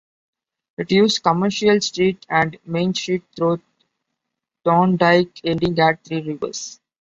It used Commercial Street and Main Street through Thorndike, ending at Three Rivers.